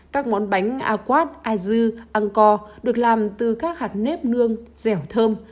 các món bánh aquat aizu ăn co được làm từ các hạt nếp nương dẻo thơm